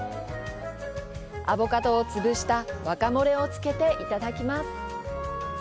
アボカドを潰したワカモレをつけていただきます。